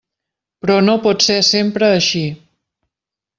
Però no pot ser sempre així.